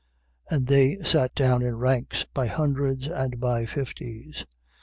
6:40. And they sat down in ranks, by hundreds and by fifties.